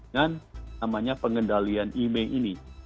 namanya pengendalian email ini